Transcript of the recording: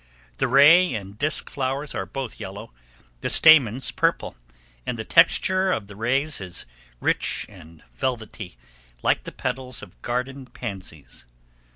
The ray and disk flowers are both yellow, the stamens purple, and the texture of the rays is rich and velvety, like the petals of garden pansies.